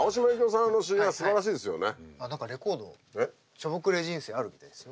「ショボクレ人生」あるみたいですよ。